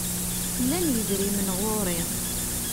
Llan yidrimen ɣur-i.